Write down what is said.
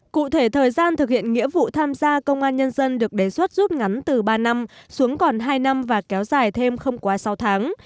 cụ thể thời gian thực hiện nghĩa vụ tham gia công an nhân dân được đề xuất rút ngắn từ ba năm xuống còn hai năm và kéo dài thêm không quá sáu tháng